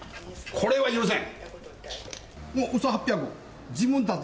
これは許せん。